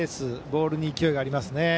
ボールに勢いがありますね。